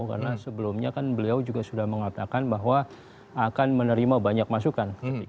karena sebelumnya kan beliau juga sudah mengatakan bahwa akan menerima banyak masukan